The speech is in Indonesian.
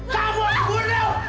kamu akan dibunuh